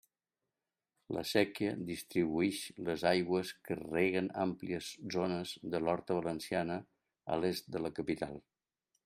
La séquia distribuïx les aigües que reguen àmplies zones de l'horta valenciana a l'est de la capital.